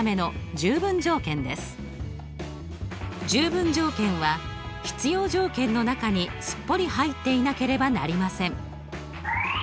十分条件は必要条件の中にすっぽり入っていなければなりません。